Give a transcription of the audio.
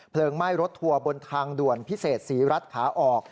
ไหม้รถทัวร์บนทางด่วนพิเศษศรีรัฐขาออก